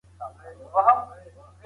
دغه شمېر په بیلابیلو ځایونو کي توپیر لري.